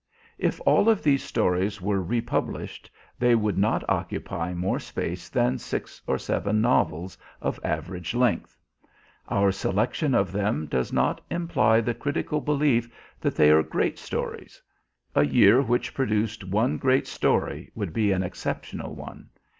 If all of these stories were republished, they would not occupy more space than six or seven novels of average length. Our selection of them does not imply the critical belief that they are great stories. A year which produced one great story would be an exceptional one.